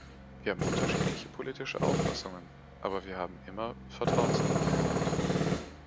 Wir haben unterschiedliche politische Auffassungen, aber wir haben immer Vertrauen zueinander gehabt.